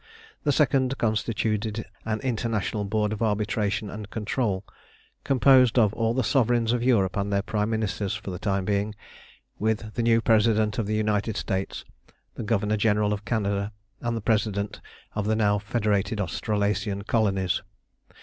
The second constituted an International Board of Arbitration and Control, composed of all the Sovereigns of Europe and their Prime Ministers for the time being, with the new President of the United States, the Governor General of Canada, and the President of the now federated Australasian Colonies.